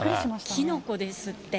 キノコですって。